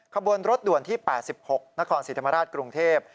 ขบวนรถด่วนที่๘๖นครศรีธรรมราชกรุงเทพ